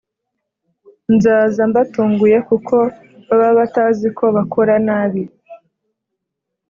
Nzaza mbatunguye kuko baba batazi ko bakora nabi